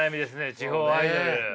地方アイドル。